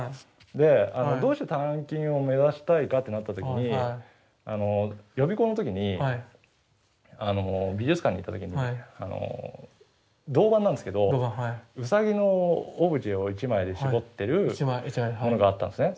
でどうして鍛金を目指したいかってなった時に予備校の時に美術館に行った時に銅板なんですけどウサギのオブジェを一枚で絞ってるものがあったんですね。